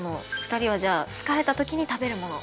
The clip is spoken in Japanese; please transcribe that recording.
２人はじゃあ疲れたときに食べるもの。